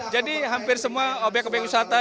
jadi hampir semua obyek obyek wisata